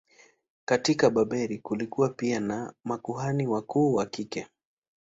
Katika Babeli kulikuwa pia na makuhani wakuu wa kike.